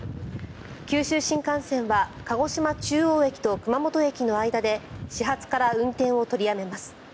九州新幹線は鹿児島中央駅と熊本駅の間で始発から運転を取りやめます。